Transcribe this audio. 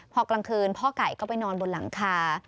พอกลางคืนพ่อไก่ก็ไปนอนบนหลังคา